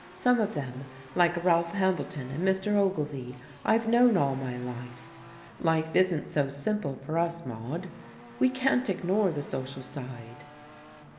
Some of them, like Ralph Hambleton and Mr. Ogilvy, I've known all my life. Life isn't so simple for us, Maude we can't ignore the social side."